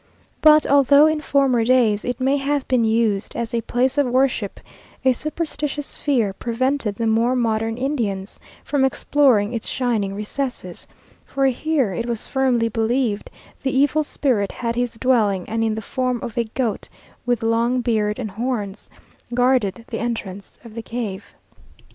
But although in former days it may have been used as a place of worship, a superstitious fear prevented the more modern Indians from exploring its shining recesses, for here it was firmly believed the evil spirit had his dwelling, and in the form of a goat, with long beard and horns, guarded the entrance of the cave.